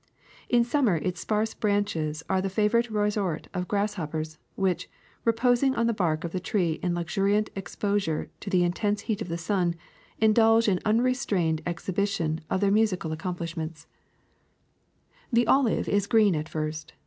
In summer its sparse branches are the favor ite resort of grasshoppers, which, reposing on the bark of the tree in luxurious exposure to the intense heat of the sun, indulge in unrestrained exhibition of their musical accomplishments. 207 ^8 THE SECRET OF EVERYDAY THINGS ^^ The olive is green at first.